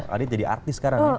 adit jadi artis sekarang ya